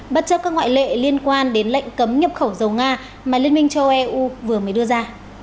bất chấp các ngoại lệ liên quan đến lệnh cấm nhập khẩu dầu nga mà liên minh châu âu vừa mới đưa ra